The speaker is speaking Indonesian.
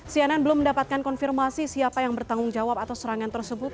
cnn belum mendapatkan konfirmasi siapa yang bertanggung jawab atas serangan tersebut